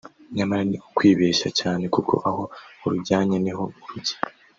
nyamara ni ukwibeshya cyane kuko aho urujyanye niho rujya